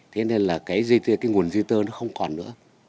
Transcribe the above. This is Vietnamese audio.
thế nên là cái dây tơ cái nguồn dây tơ nó không còn nữa